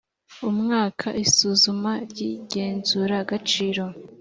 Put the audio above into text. umwaka isuzuma ry igenzuragaciro